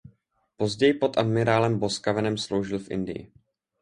Později pod admirálem Boscawenem sloužil v Indii.